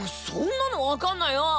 そんなの分かんないよ！